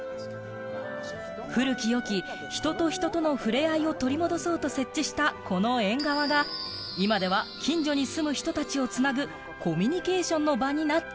古き良き人と人との触れ合いを取り戻そうと設置した、この縁側が今では近所に住む人たちをつなぐコミュニケーションの場になって